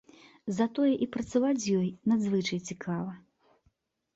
Затое і працаваць з ёю надзвычай цікава.